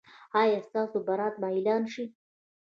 ایا ستاسو برات به اعلان شي؟